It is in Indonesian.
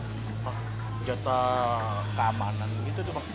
hah jatah keamanan gitu tuh bang